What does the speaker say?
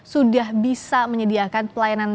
sudah bisa menyediakan pelayanan